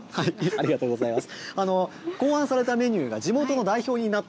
ありがとうございます。